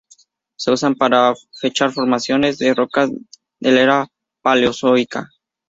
Se usan para fechar formaciones de rocas de la era Paleozoica.